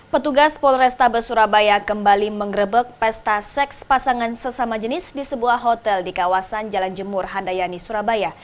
petugas polrestabes surabaya kembali mengerebek pesta seks pasangan sesama jenis di sebuah hotel di kawasan jalan jemur handayani surabaya